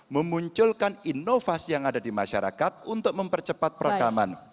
memunculkan inovasi yang ada di masyarakat untuk mempercepat perekaman